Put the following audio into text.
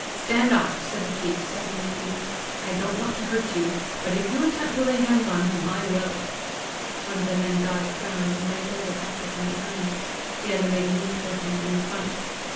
"Stand off!" said the chief stepping between. "I don't want to hurt you, but if you attempt to lay hands on him, I will." One of the men dodged round, and laid hold of Hector from behind; the other made a move towards him in front.